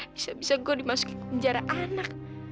bisa bisa gue dimasukin penjara anak